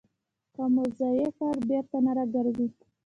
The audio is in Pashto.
که مو ضایع کړ، بېرته نه راګرځي.